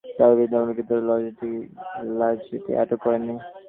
তবে বিমানবন্দর কর্তৃপক্ষ লাগেজটি আটক করেননি।